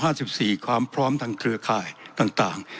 อันดับ๕๔ความพร้อมทางเครือค่ายต่าง